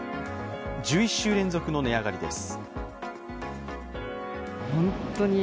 １１週連続の値上がりです。